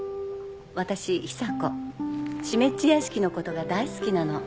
私久子湿っ地屋敷のことが大好きなの。